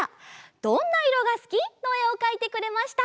「どんな色がすき」のえをかいてくれました。